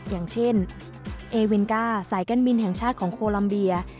อย่างเช่นเอวินก้าสายการบินแห่งชาติของโคลัมเบีย